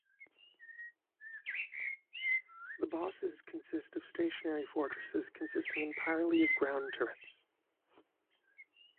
The bosses consist of stationary fortresses consisting entirely of ground turrets.